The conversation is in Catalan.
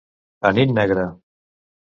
A nit negra.